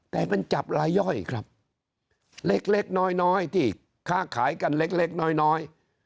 แต่มันจับลายย่อยครับเล็กเล็กน้อยน้อยที่ค่าขายกันเล็กเล็กน้อยน้อย